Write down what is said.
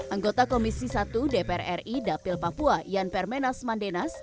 anggota komisi satu dpr ri dapil papua ian permenas mandenas